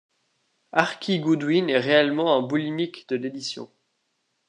Archie Goodwin est réellement un boulimique de l'édition.